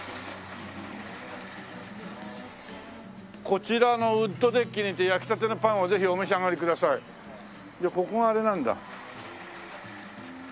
「こちらのウッドデッキにて焼きたてのパンをぜひお召し上がりください」じゃあここがあれなんだ。